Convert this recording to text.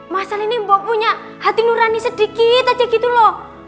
mas al ini mbak punya hati nurani sedikit aja gitu loh